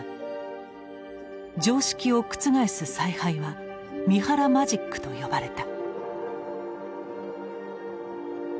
常識を覆す采配は三原マジックと呼ばれた。